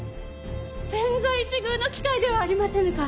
千載一遇の機会ではありませぬか。